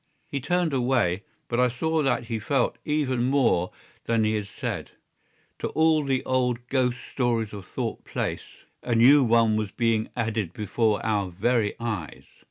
He turned away, but I saw that he felt even more than he had said. To all the old ghost stories of Thorpe Place a new one was being added before our very eyes.